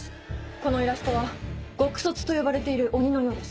このイラストは「獄卒」と呼ばれている鬼のようです。